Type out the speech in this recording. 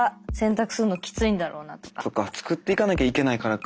作っていかなきゃいけないからか。